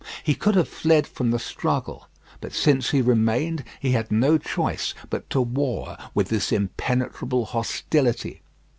He could have fled from the struggle; but since he remained, he had no choice but to war with this impenetrable hostility.